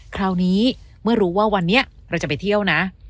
คราวนี้เมื่อรู้ว่าวันนี้เราจะไปเที่ยวนะ